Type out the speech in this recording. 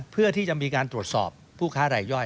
เพื่อที่จะมีการตรวจสอบผู้ค้ารายย่อย